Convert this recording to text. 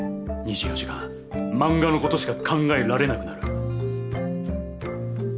２４時間漫画のことしか考えられなくなる。